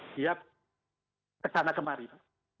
dia ke sana kemarin